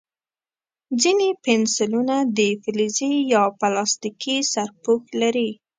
ځینې پنسلونه د فلزي یا پلاستیکي سرپوښ لري.